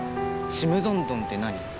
ちむどんどんって何？